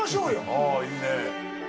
ああ、いいね。